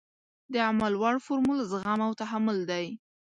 د عمل وړ فورمول زغم او تحمل دی.